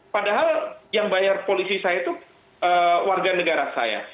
padahal yang bayar polisi saya itu warga negara saya